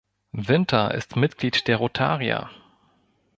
Winter ist Mitglied der Rotarier.